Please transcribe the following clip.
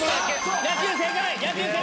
正解！